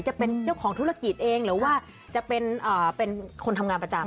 จะเป็นเจ้าของธุรกิจเองหรือว่าจะเป็นคนทำงานประจำ